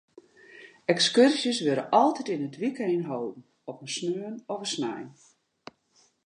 Ekskurzjes wurde altyd yn it wykein holden, op in sneon of snein.